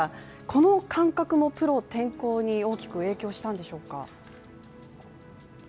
この感覚もプロ転向に大きく影響したんでしょうか？